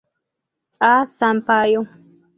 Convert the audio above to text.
A. Sampaio.